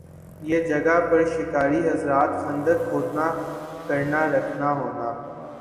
یِہ جگہ پر شکاری حضرات خندق کھودنا کرنا رکھنا ہونا